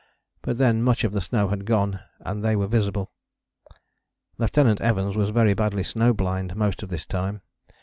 But then much of the snow had gone and they were visible. Lieut. Evans was very badly snowblind most of this time.